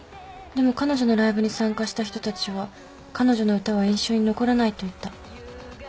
でも彼女のライブに参加した人たちは「彼女の歌は印象に残らない」と言った。